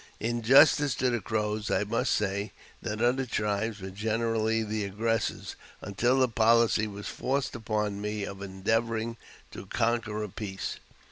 In justice to the , Crows I must say, that other tribes were generally the S'g ^l gressors, until the policy was forced upon me of endeavouring''" to "conquer a peace."